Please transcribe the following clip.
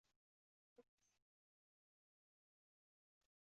处理器核初始化